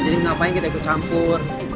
jadi ngapain kita ikut campur